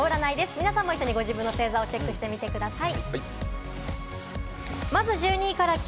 皆さんも一緒にご自分の星座をチェックしてみてください。